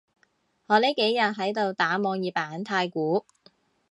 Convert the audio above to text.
我呢幾日喺度打網頁版太鼓